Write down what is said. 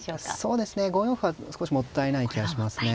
そうですね５四歩は少しもったいない気はしますね。